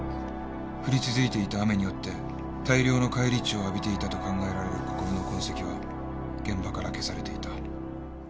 「降り続いていた雨によって大量の返り血を浴びていたと考えられる国府の痕跡は現場から消されていた」